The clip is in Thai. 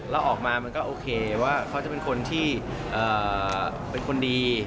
แล้วออกมามันก็โอเคว่าเขาจะเป็นคนที่เป็นคนดี